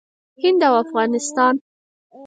هند او افغانستان